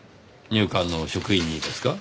入管の職員にですか？